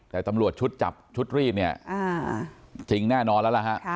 แต่ตำรวจชุดจับชุดรีดเนี่ยจริงแน่นอนแล้วล่ะฮะ